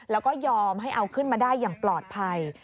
แล้วก็ยอมให้เอาขึ้นมาได้อย่างปลอดภัย